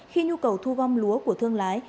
khi nhu cầu thu gom lúa của thương lái